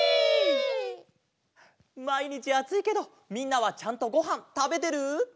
まいにちあついけどみんなはちゃんとごはんたべてる？